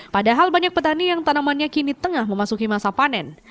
padahal banyak petani yang tanamannya kini tengah memasuki masa panen